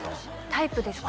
タイプですか？